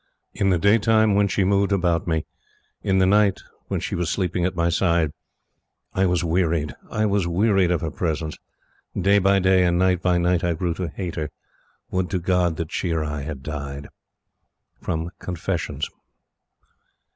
In the daytime, when she moved about me, In the night, when she was sleeping at my side, I was wearied, I was wearied of her presence. Day by day and night by night I grew to hate her Would to God that she or I had died! Confessions.